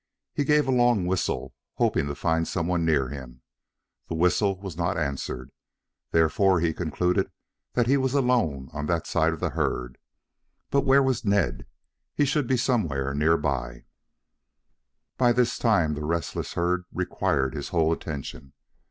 He gave a long whistle, hoping to find some one near him. The whistle was not answered, therefore he concluded that he was alone on that side of the herd. But where was Ned? He should be somewhere near by. By this time the restless herd required his whole attention.